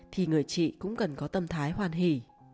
thì người chị cũng cần có tâm thái hoàn hỷ